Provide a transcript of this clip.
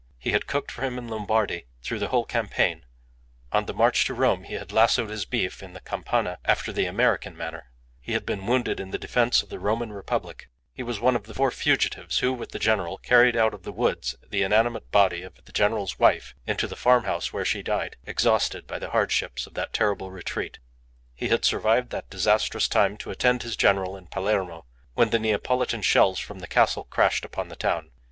He had cooked for him in Lombardy through the whole campaign; on the march to Rome he had lassoed his beef in the Campagna after the American manner; he had been wounded in the defence of the Roman Republic; he was one of the four fugitives who, with the general, carried out of the woods the inanimate body of the general's wife into the farmhouse where she died, exhausted by the hardships of that terrible retreat. He had survived that disastrous time to attend his general in Palermo when the Neapolitan shells from the castle crashed upon the town.